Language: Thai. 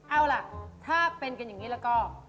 เอาล่ะถ้าเป็นกันอย่างนี้แล้วก็